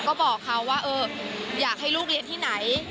ก็บอกเขาว่าเอออยากให้ลูกเรียนที่ไหน